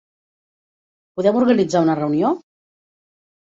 Podem organitzar una reunió?